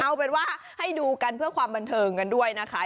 เอาเป็นว่าให้ดูกันเพื่อความบันเทิงกันด้วยนะคะ